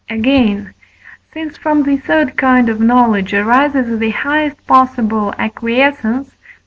Again, since from the third kind of knowledge arises the highest possible acquiescence (V.